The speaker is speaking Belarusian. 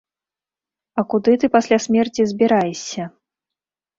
А куды ты пасля смерці збіраешся?